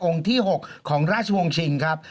ที่๖ของราชวงศ์ชิงครับ